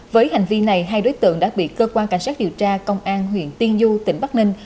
với hành vi này hai đối tượng đã bị cơ quan cảnh sát điều tra công an huyện tiên du tỉnh bắc ninh